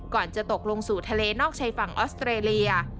จะตกลงสู่ทะเลนอกชายฝั่งออสเตรเลีย